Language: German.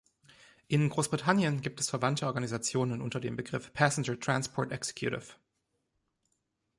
In Großbritannien gibt es verwandte Organisationen unter dem Begriff "Passenger Transport Executive".